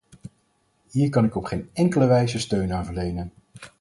Hier kan ik op geen enkele wijze steun aan verlenen.